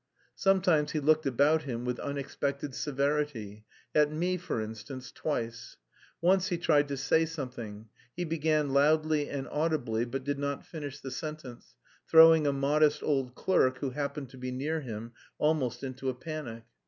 Sometimes he looked about him with unexpected severity at me, for instance, twice. Once he tried to say something; he began loudly and audibly but did not finish the sentence, throwing a modest old clerk who happened to be near him almost into a panic.